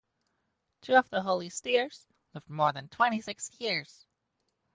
Two of the holy steers lived more than twenty-six years.